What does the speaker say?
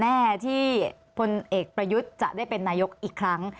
แน่ที่พลเอกประยุทธ์จะได้เป็นนายกอีกครั้ง